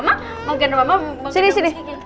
mau gendut mama sini sini